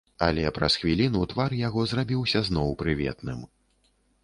Але праз хвіліну твар яго зрабіўся зноў прыветным.